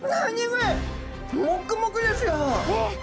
もくもくですよ。